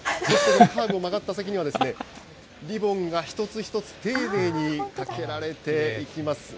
カーブを曲がった先には、リボンが一つ一つ丁寧にかけられていきます。